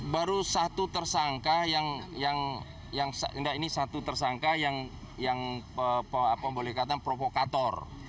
baru satu tersangka yang yang yang yang ini satu tersangka yang yang apa boleh kata provokator